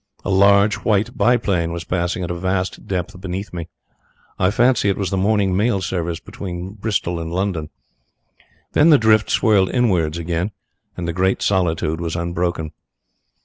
A large white biplane was passing at a vast depth beneath me. I fancy it was the morning mail service betwixt Bristol and London. Then the drift swirled inwards again and the great solitude was unbroken.